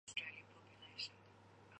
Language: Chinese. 先前发出的光首先到达观察者。